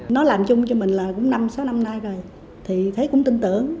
nó làm chung cho mình là cũng năm sáu năm nay rồi thì thấy cũng tin tưởng